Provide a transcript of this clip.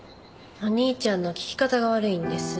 お兄ちゃんの聞き方が悪いんです。